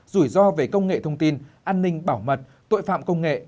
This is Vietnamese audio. rủi ro về công nghệ thông tin an ninh bảo mật tội phạm công nghệ